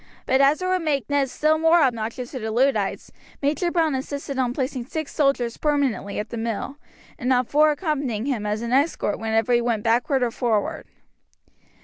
But as it would make Ned still more obnoxious to the Luddites, Major Browne insisted on placing six soldiers permanently at the mill and on four accompanying him as an escort whenever he went backward or forward.